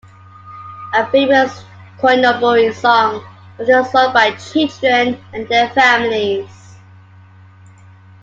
A famous "Koinobori" song often sung by children and their families.